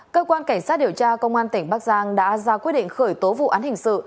cơ quan cảnh sát điều tra công an tỉnh bắc giang đã ra quyết định khởi tố vụ án hình sự